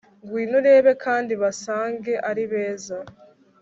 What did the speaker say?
Ngwino urebe kandi basange ari beza